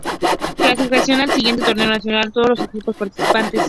Clasificaron al siguiente Torneo Nacional todos los equipos participantes.